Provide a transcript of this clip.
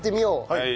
はい。